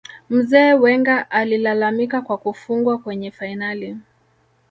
Mzee Wenger alilalamika kwa kufungwa kwenye fainali